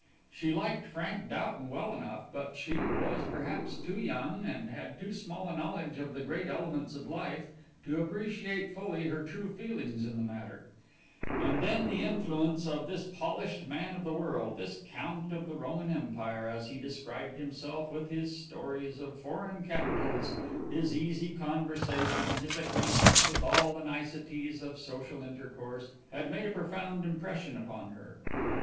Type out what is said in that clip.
She liked Frank Doughton well enough, but she was perhaps too young, had too small a knowledge of the great elements of life to appreciate fully her true feelings in the matter; and then the influence of this polished man of the world, this Count of the Roman Empire as he described himself, with his stories of foreign capitals, his easy conversation, his acquaintance with all the niceties of social intercourse, had made a profound impression upon her.